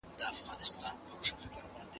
زه هره ورځ ځواب ليکم!.